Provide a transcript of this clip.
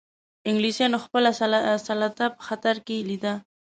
انګلیسانو خپله سلطه په خطر کې لیده.